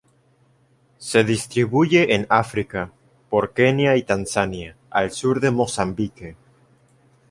Se distribuye en África por Kenia y Tanzania, al sur de Mozambique.